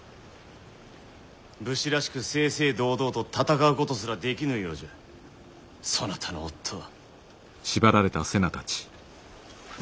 武士らしく正々堂々と戦うことすらできぬようじゃそなたの夫は。